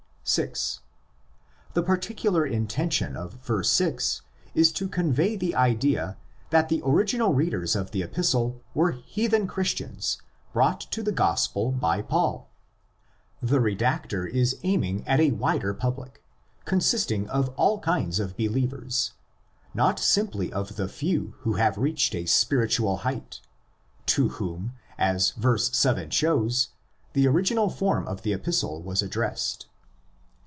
(6) The particular intention of verse 6 is to convey the idea that the original readers of the Epistle were heathen Christians brought to the Gospel by Paul. The redactor is aiming at a wider public, consisting of all kinds of believers, not simply of the few who have reached a spiritual height, to whom, as verse 7 (with its expres 8100, πᾶσιν τοῖς οὖσιν) shows, the original form of the Epistle was addressed.